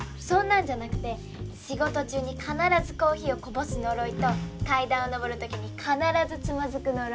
そんなんじゃなくて仕事中に必ずコーヒーをこぼす呪いと階段を上る時に必ずつまずく呪い。